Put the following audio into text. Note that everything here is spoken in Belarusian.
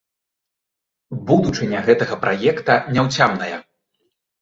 Будучыня гэтага праекта няўцямная.